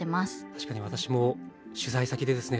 確かに私も取材先でですね